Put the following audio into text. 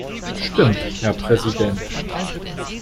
Stimmt, Herr Präsident.